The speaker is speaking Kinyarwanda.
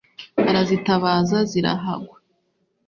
arazitabaza zirahagwa.